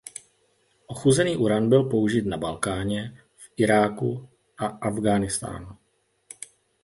Ochuzený uran byl použit na Balkáně, v Iráku a Afghánistánu.